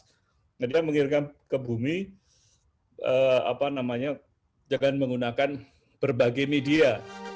jadi mereka mengirimkan ke bumi dengan menggunakan berbagai media